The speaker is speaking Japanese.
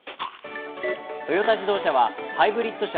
トヨタ自動車はハイブリッド車